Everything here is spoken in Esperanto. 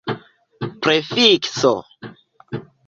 prefikso